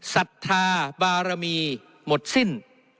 ศรัทธาบารมีหมดสิ้น